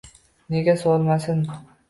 Nagoh so‘lmasin.